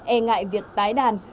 e ngại việc tái đàn